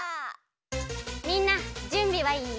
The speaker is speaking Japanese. みんなじゅんびはいい？